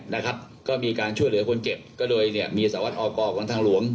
นะครับก็มีการช่วยเหลือคนเจ็บก็โดยเนี่ยมีสารวัตรออกของทางหลวง